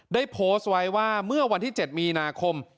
ได้โพสต์ไว้ว่าเมื่อวันที่๗มีนาคม